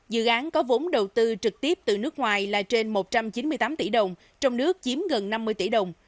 dự án có vốn đầu tư trực tiếp từ nước ngoài là trên một trăm chín mươi tám tỷ đồng trong nước chiếm gần năm mươi tỷ đồng